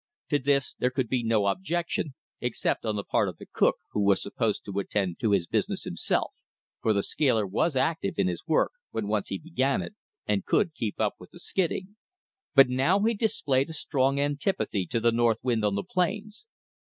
To this there could be no objection except on the part of the cook, who was supposed to attend to his business himself for the scaler was active in his work, when once he began it, and could keep up with the skidding. But now he displayed a strong antipathy to the north wind on the plains.